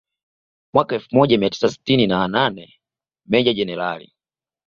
Mwaka elfu moja mia tisa sitini na nane Meja Jenerali